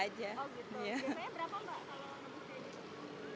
oh gitu biasanya berapa mbak kalau nabuk sepeda